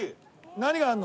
何があるの？